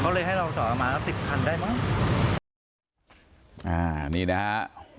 เขาเลยให้เราจอดมา๑๐คันได้มาก